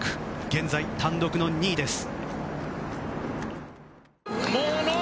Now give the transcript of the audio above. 現在、単独の２位です。